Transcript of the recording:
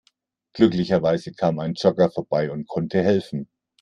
Glücklicherweise kam ein Jogger vorbei und konnte helfen.